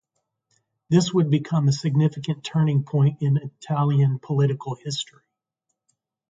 This would become a significant turning point in Italian political history.